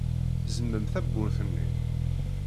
Zemmem tawwurt-nni.